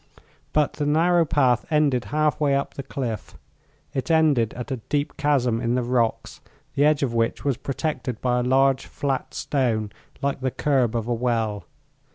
But the narrow path ended half way up the cliff. It ended at a deep chasm in the rocks, the edge of which was protected by a large flat stone, like the curb of a well.